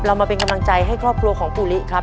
เรามาเป็นกำลังใจให้ครอบครัวของปูลิครับ